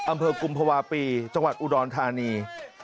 อำเภอกุมภาวะปีจังหวัดอุดรธานี